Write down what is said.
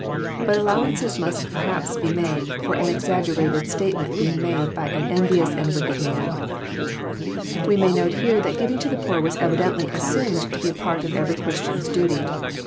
But allowances must perhaps be made for an exaggerated statement being made by an envious and wicked man. We may note here that giving to the poor was evidently as sumed to be a part of every Christian's duty.